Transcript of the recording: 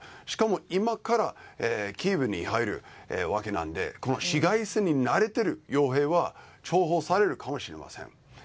しかも今からキエフに入るわけなので市街戦に慣れている傭兵は重宝されるかもしれません。